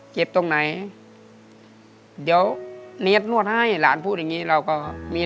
เจ็บตรงไหนเดี๋ยวเนียดนวดให้หลานพูดอย่างงี้เราก็มี